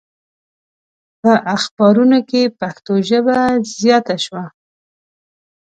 په اخبارونو کې پښتو ژبه زیاته شوه.